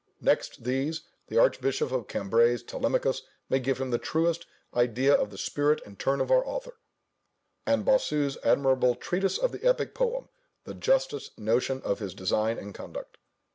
Next these, the Archbishop of Cambray's Telemachus may give him the truest idea of the spirit and turn of our author; and Bossu's admirable Treatise of the Epic Poem the justest notion of his design and conduct.